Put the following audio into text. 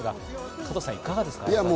加藤さん、いかがですか？